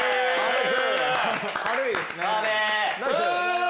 軽いですね。